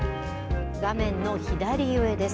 画面の左上です。